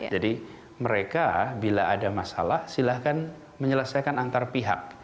jadi mereka bila ada masalah silakan menyelesaikan antar pihak